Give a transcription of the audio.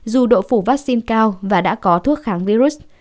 dù độ phủ vaccine cao và đã có thuốc kháng virus